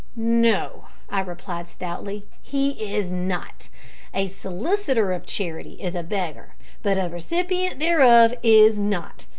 "No," I replied stoutly, "he is not. A solicitor of charity is a beggar, but a recipient thereof is not.